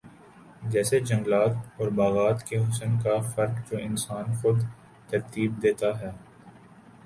جیسے جنگلات اور باغات کے حسن کا فرق جو انسان خود ترتیب دیتا ہے